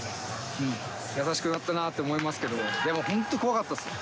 優しくなったなと思いますけど、でも本当、怖かったですよ。